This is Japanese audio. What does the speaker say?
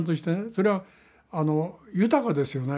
それは豊かですよね。